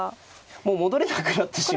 もう戻れなくなってしまうので。